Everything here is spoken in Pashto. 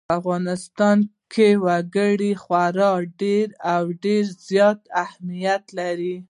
په افغانستان کې وګړي خورا ډېر او ډېر زیات اهمیت لري.